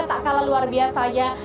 tak kalah luar biasanya